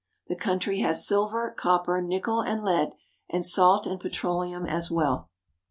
The country has silver, copper, nickel, and lead, and salt and petroleum as well.